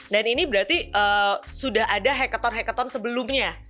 dan ini berarti sudah ada hackathon hackathon sebelumnya